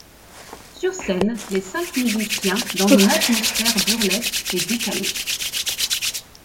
Sur scène, les cinq musiciens dans une atmosphère burlesque et décalée.